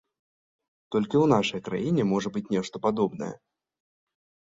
Толькі ў нашай краіне можа быць нешта падобнае.